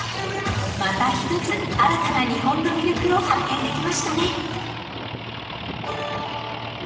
［また一つ新たな日本の魅力を発見できましたね］